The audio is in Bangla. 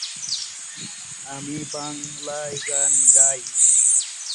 নদীটি আরও কিছুটা মারা যাবে এবং আরও প্রশান্ত ও অগভীর হয়ে উঠবে।